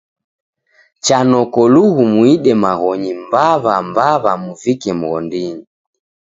Cha noko lughu muide maghonyi mbaw'a-mba'wa muvike mghondinyi.